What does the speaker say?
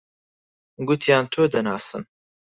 گوتیان تۆ دەناسن.